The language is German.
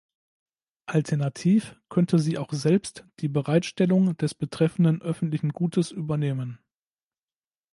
Alternativ könnte sie auch selbst die Bereitstellung des betreffenden öffentlichen Gutes übernehmen.